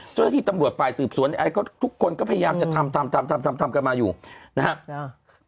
ซึ่งที่ตำรวจฝ่ายสืบสวนทุกคนก็พยายามจะทำกันมาอยู่นะครับ